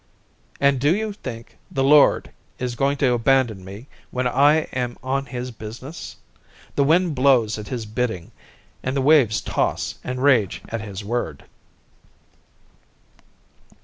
And do you think the Lord is going to abandon me when I am on his business? The wind blows at his bidding and the waves toss and rage at his word."